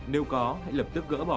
nếu có hãy lập tức gỡ bỏ